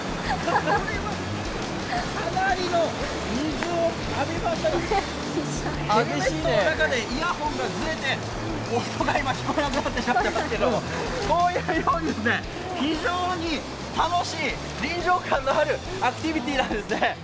これはかなりの水を浴びましたがヘルメットの中でイヤホンがずれて音が聞こえなくなってしまいましたけど、このように非常に楽しい、臨場感のあるアクティビティーなんですね。